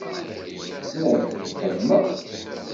Nekk fehmeɣ.